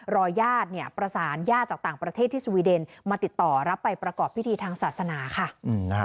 ญาติเนี่ยประสานญาติจากต่างประเทศที่สวีเดนมาติดต่อรับไปประกอบพิธีทางศาสนาค่ะ